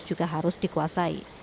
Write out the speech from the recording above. juga harus dikuasai